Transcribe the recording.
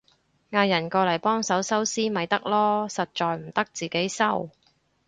嗌人過嚟幫手收屍咪得囉，實在唔得自己收